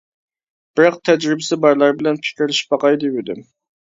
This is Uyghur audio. بىراق تەجرىبىسى بارلار بىلەن پىكىرلىشىپ باقاي دېۋىدىم.